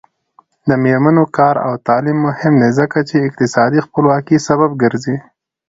د میرمنو کار او تعلیم مهم دی ځکه چې اقتصادي خپلواکۍ سبب ګرځي.